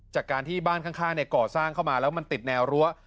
จากการที่บ้านข้างก่อสร้างเข้ามาแล้วมันติดแนวรั้ว